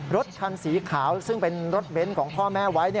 รถคันสีขาวซึ่งเป็นรถเบนท์ของพ่อแม่ไว้